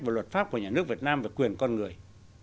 và luật pháp của nhà nước việt nam về quyền con người